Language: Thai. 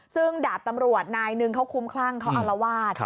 ซึ่งดาบตำรวจนายหนึ่งเขาคุ้มคลั่งเขาอารวาส